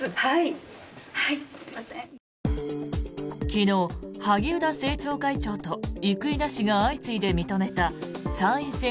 昨日、萩生田政調会長と生稲氏が相次いで認めた参院選